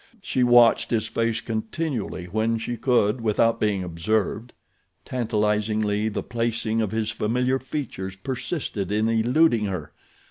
She watched his face continually when she could without being observed. Tantalizingly the placing of his familiar features persisted in eluding her.